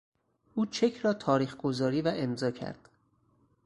او چک را تاریخگذاری و امضا کرد.